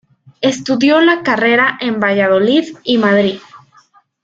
Estudió la carrera en Valladolid y Madrid.